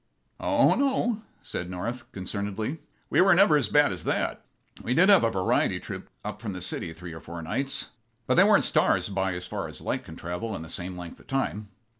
"Oh no," said North, concernedly, "we were never as bad as that. We did have a variety troupe up from the city three or four nights, but they weren't stars by as far as light can travel in the same length of time.